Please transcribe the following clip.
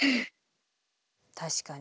確かに。